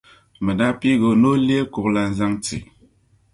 Bi daa piigi o ni o lee kuɣulana zaŋti